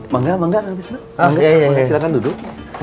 mangga mangga tisna silahkan duduk